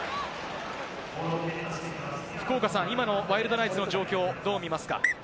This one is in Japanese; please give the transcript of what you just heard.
福岡さん、今のワイルドナイツの状況をどう見ますか？